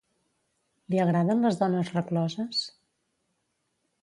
Li agraden les dones recloses?